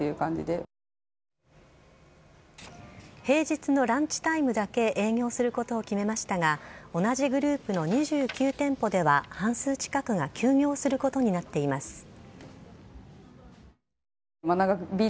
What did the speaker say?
平日のランチタイムだけ営業をすることを決めましたが同じグループの２９店舗では半数近くが休業することになっています。